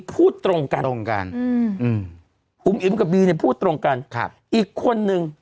พูดตรงกันตรงกันอุ๋มอิ๋มกับบีเนี่ยพูดตรงกันครับอีกคนนึง